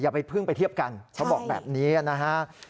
ไปพึ่งไปเทียบกันเขาบอกแบบนี้นะฮะ